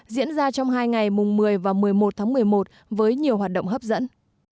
diễn ra trong hai ngày mùng một mươi và một mươi một tháng một mươi một với nhiều hoạt động hấp dẫn